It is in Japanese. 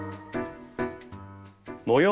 模様